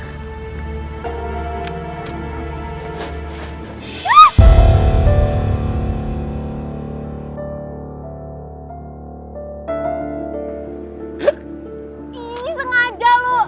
ini sengaja lu